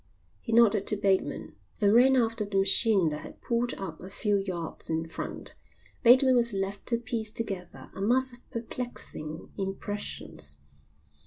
He nodded to Bateman, and ran after the machine that had pulled up a few yards in front. Bateman was left to piece together a mass of perplexing impressions.